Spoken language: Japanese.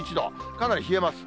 かなり冷えます。